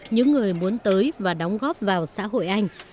những người muốn tới và đóng góp vào xã hội anh